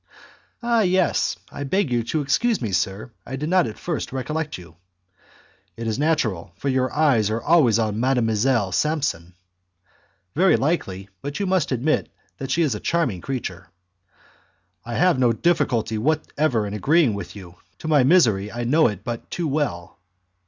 "Ah! yes; I beg you to excuse me, sir, I did not at first recollect you." "It is natural, for your eyes are always on Mdlle. Samson." "Very likely, but you must admit that she is a charming creature." "I have no difficulty whatever in agreeing with you; to my misery, I know it but too well."